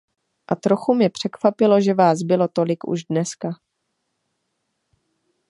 A trochu mě překvapilo, že vás bylo tolik už dneska.